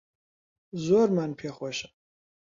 زۆرمان پێخۆشە